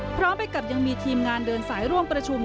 พร้อมไปกับยังมีทีมงานเดินสายร่วมประชุม